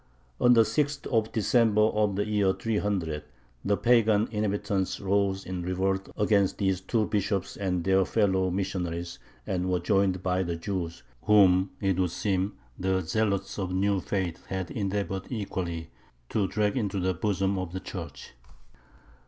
On the sixth of December of the year 300 the pagan inhabitants rose in revolt against these two bishops and their fellow missionaries, and were joined by the Jews, whom, it would seem, the zealots of the new faith had endeavored equally to drag into the bosom of the Church.